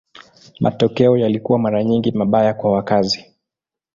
Matokeo yalikuwa mara nyingi mabaya kwa wakazi.